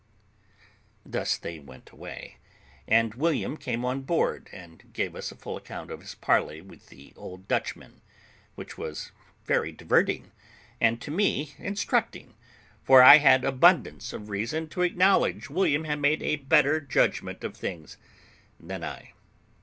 Thus they went away, and William came on board, and gave us a full account of his parley with the old Dutchman, which was very diverting, and to me instructing; for I had abundance of reason to acknowledge William had made a better judgment of things than I.